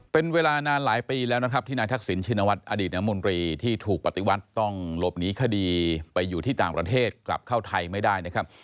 เป็นเวลานานหลายปีแล้วนะครับที่นายทักษิณชินวัฒน์อดีตน้ำมนตรีที่ถูกปฏิวัติต้องหลบหนีคดีไปอยู่ที่ต่างประเทศกลับเข้าไทยไม่ได้นะครับ